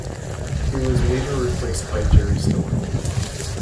He was later replaced by Jerry Stiller.